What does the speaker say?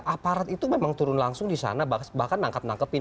aparat itu memang turun langsung di sana bahkan nangkap nangkepin